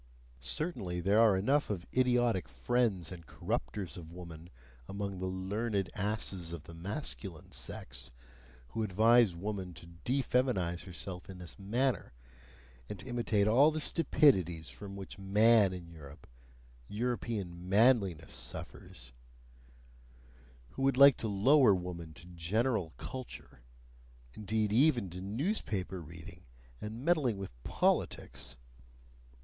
Certainly, there are enough of idiotic friends and corrupters of woman among the learned asses of the masculine sex, who advise woman to defeminize herself in this manner, and to imitate all the stupidities from which "man" in Europe, European "manliness," suffers, who would like to lower woman to "general culture," indeed even to newspaper reading and meddling with politics.